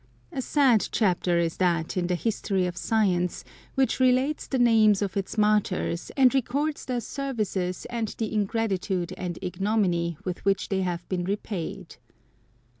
A sad chapter is that in the history of science which relates the names of its martyrs, and records their services and the ingratitude and ignominy with which they have been repaid.